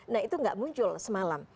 nah itu nggak muncul semalam